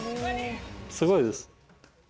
すごいです。